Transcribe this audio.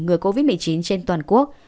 người covid một mươi chín trên toàn quốc